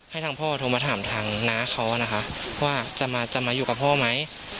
ทางพ่อโทรมาถามทางน้าเขานะคะว่าจะมาจะมาอยู่กับพ่อไหม